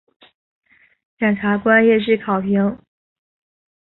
检察官业绩考评